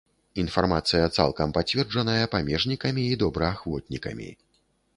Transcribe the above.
Інфармацыя цалкам пацверджаная памежнікамі і добраахвотнікамі.